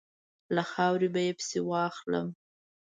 له خاورې به یې پسي واخلم.